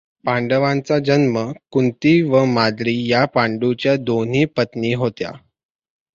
पांडवांचा जन्म कुंती व माद्री ह्या पंडूच्या दोन पत् नी होत्या.